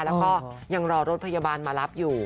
แล้วก็ยังรอรถพยาบาลมารับอยู่